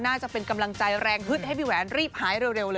น่าจะเป็นกำลังใจแรงฮึดให้พี่แหวนรีบหายเร็วเลย